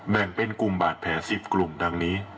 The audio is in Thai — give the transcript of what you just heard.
แบ่งเป็นกลุ่มบาดแผล๑๐กลุ่มดังนี้